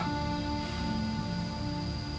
takdir yang kamu impikan